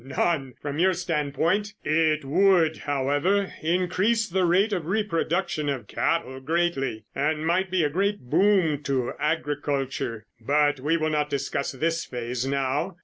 "None, from your standpoint. It would, however, increase the rate of reproduction of cattle greatly and might be a great boom to agriculture, but we will not discuss this phase now.